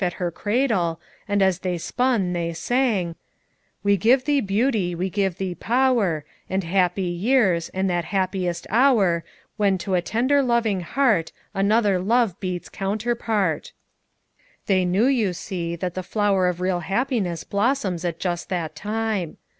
at her cradle, and as they spun they sang: " 'We give thee beauty, we give thee power. And happy years, and that happiest hour ."When to a tender loving heart Another love beats counterpart." FOUR MOTHERS AT CHAUTAUQUA 173 "They knew, you see, that the flower of real happiness blossoms at just that time.